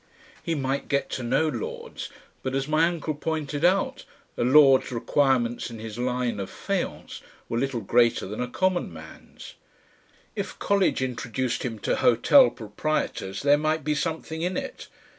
He might get to know lords, but, as my uncle pointed out, a lord's requirements in his line of faience were little greater than a common man's. If college introduced him to hotel proprietors there might be something in it.